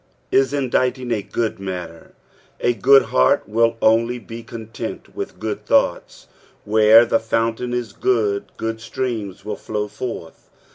"/» inditing a good matter." A good heart will only be content trith good thoughts. Where the fountain is good good streams will flow forth.